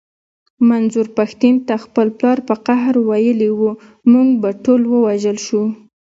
منظور پښتين ته خپل پلار په قهر ويلي و مونږ به ټول ووژل شو.